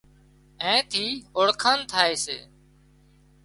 اين ٿي اوۯکاڻ ٿائي سي